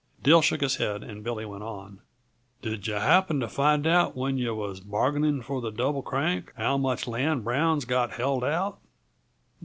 Dill shook his head, and Billy went on. "Did yuh happen to find out, when yuh was bargaining for the Double Crank, how much land Brown's got held out?"